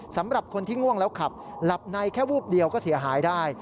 สำหรับคนที่ง่วงแล้วขับหลับในแค่วูบเดียวก็เสียหายได้